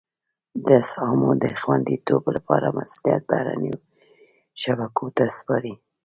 د اسهامو د خوندیتوب لپاره مسولیت بهرنیو شبکو ته سپاري.